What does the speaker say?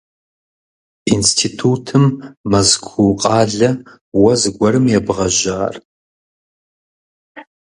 Институтым Мэзкуу къалэ уэ зэгуэрым ебгъэжьар?